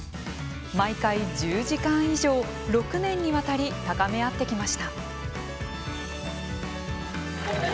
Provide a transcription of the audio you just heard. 毎回１０時間以上、６年にわたり高めあってきました。